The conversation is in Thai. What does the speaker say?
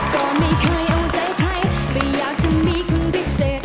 ก็ไม่เคยเอาใจใครไม่อยากจะมีคนพิเศษ